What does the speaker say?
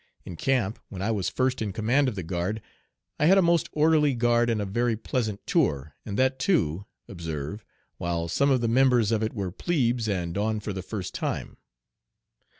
In camp, when I was first in command of the guard, I had a most orderly guard and a very pleasant tour, and that too, observe, while some of the members of it were plebes and on for the first time.